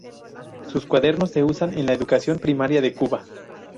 Sus cuadernos se usan en la educación primaria de Cuba.